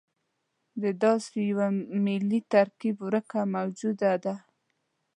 د داسې یوه ملي ترکیب ورکه موجوده ده.